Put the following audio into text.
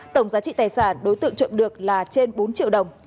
tổng giá trị tài sản đối tượng trộm được là trên bốn triệu đồng